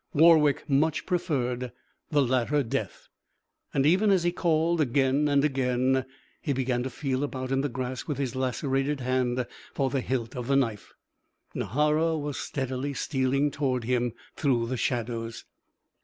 Warwick much preferred the latter death. And even as he called, again and again, he began to feel about in the grass with his lacerated hand for the hilt of the knife. Nahara was steadily stealing toward him through the shadows.